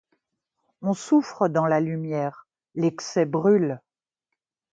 On souffre dans la lumière ; l’excès brûle.